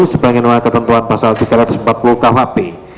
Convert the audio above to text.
sebagian dari ketentuan pesawat